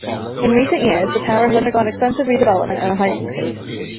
In recent years, the tower has undergone extensive redevelopment and a height increase.